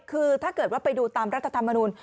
คือถ้าเกิดว่าไปดูตามรัฐธรรมนุน